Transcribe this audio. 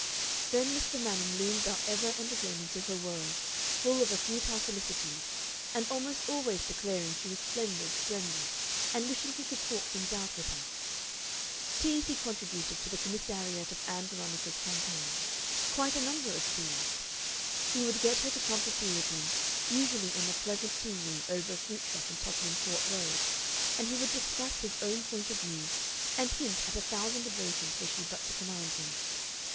Then Mr. Manning loomed up ever and again into her world, full of a futile solicitude, and almost always declaring she was splendid, splendid, and wishing he could talk things out with her. Teas he contributed to the commissariat of Ann Veronica's campaign quite a number of teas. He would get her to come to tea with him, usually in a pleasant tea room over a fruit shop in Tottenham Court Road, and he would discuss his own point of view and hint at a thousand devotions were she but to command him.